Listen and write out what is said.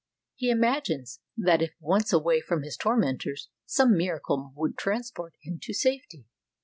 He imagines that if once away from his tormentors some miracle would transport him to safety.